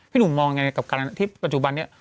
พี่หนุ่มมองอย่างไรกับการณะที่ปัจจุบันเนี่ย